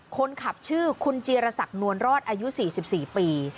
คนขับชื่อคุณจีรศักดินวลรอดอายุ๔๔ปี